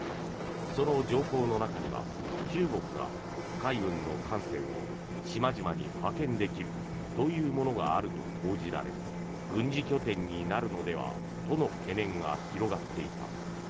その条項の中には中国が海軍の艦船を島々に派遣できるというものがあると報じられ軍事拠点になるのではとの懸念が広がっていた。